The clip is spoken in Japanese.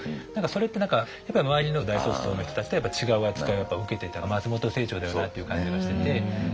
それって何かやっぱり周りの大卒層の人たちと違う扱いを受けてた松本清張だよなっていう感じがしてて。